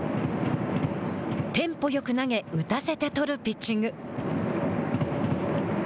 テンポよく投げ打たせて取るピッチング。